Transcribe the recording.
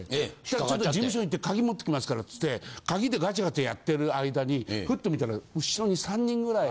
ちょっと事務所に行って鍵持ってきますからって鍵でガチャガチャやってる間にふっと見たら後ろに３人ぐらい。